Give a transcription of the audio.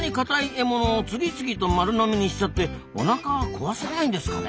獲物を次々と丸飲みにしちゃっておなかは壊さないんですかね？